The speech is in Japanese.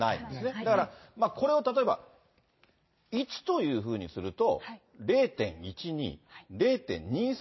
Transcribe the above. だから、これを例えば１というふうにすると、０．１２、０．２３。